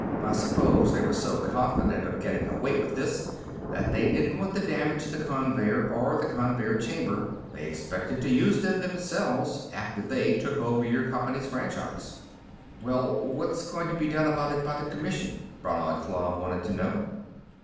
I suppose they were so confident of getting away with this that they didn't want to damage the conveyer or the conveyer chamber. They expected to use them, themselves, after they took over your company's franchise." "Well, what's going to be done about it by the Commission?" Brannad Klav wanted to know.